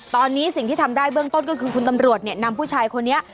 ตอนนี้สิ่งที่ทำได้เบื้องต้นก็คือคุณตำรวจเนี่ยนำผู้ชายคนนี้